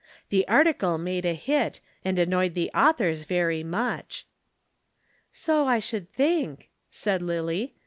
The article made a hit, and annoyed the authors very much." "So, I should think," said Lillie.